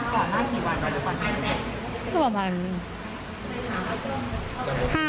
ก่อนล่างกี่วันหรือกวันใหม่แน่